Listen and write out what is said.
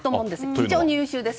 非常に優秀です。